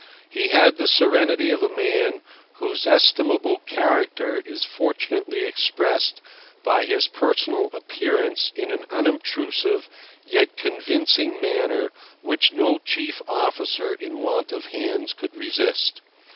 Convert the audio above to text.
He had the serenity of a man whose estimable character is fortunately expressed by his personal appearance in an unobtrusive, yet convincing, manner which no chief officer in want of hands could resist.